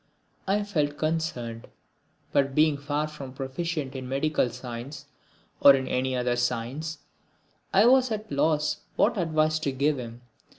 I felt concerned, but being far from proficient in medical science, or in any other science, I was at a loss what advice to give him.